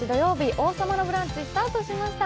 「王様のブランチ」スタートしました。